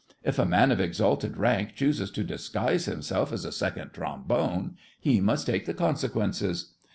If a man of exalted rank chooses to disguise himself as a Second Trombone, he must take the consequences.